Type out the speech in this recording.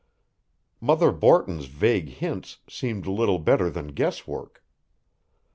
Mother Borton's vague hints seemed little better than guess work.